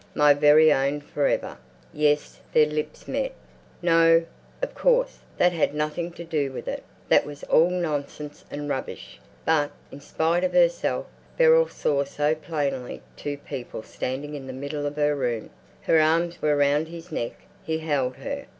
"My very own for ever?" "Yes." Their lips met. No, of course, that had nothing to do with it. That was all nonsense and rubbish. But, in spite of herself, Beryl saw so plainly two people standing in the middle of her room. Her arms were round his neck; he held her.